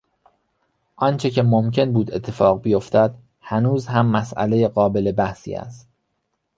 آنچه که ممکن بود اتفاق بیافتد هنوز هم مسئلهی قابل بحثی است.